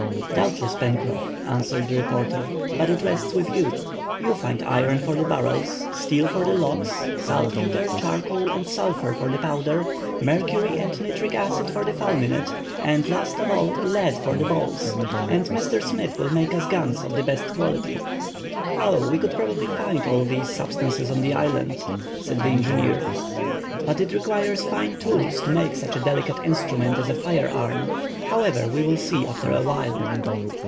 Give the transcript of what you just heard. "Doubtless, Pencroff," answered the reporter, "but it rests with you. You find iron for the barrels, steel for the locks, saltpetre, charcoal and sulphur for the powder, mercury and nitric acid for the fulminate, and last of all, lead for the balls, and Mr. Smith will make us guns of the best quality. "Oh, we could probably find all these substances on the island," said the engineer. "But it requires fine tools to make such a delicate instrument as a firearm. However, we will see after awhile."